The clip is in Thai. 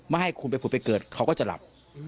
ไม่ให้คุณผูกไปเกิดเค้าก็จะหลับ